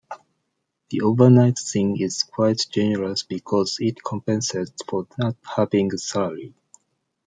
The overnight thing is quite generous because it compensates for not having a salary.